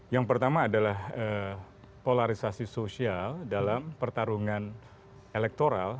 yang pertama adalah polarisasi sosial dalam pertarungan elektoral